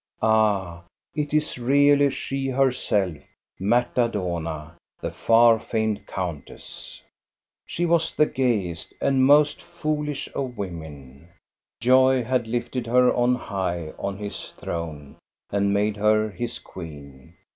Ah, it is really she herself, Marta Dohna, the far famed countess ! She was the gayest and most foolish of women. Joy had lifted her on high on his throne and made her his queen.